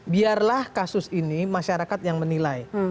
biarlah kasus ini masyarakat yang menilai